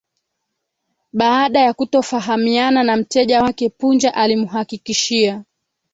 Baada ya kutofahamiana na mteja wake Punja alimuhakikishia